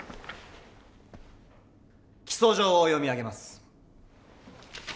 起訴状を読み上げます。